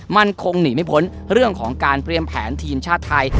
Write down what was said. มันคงหนีไม่พ้นเรื่องของการเตรียมแผนทีมชาติไทย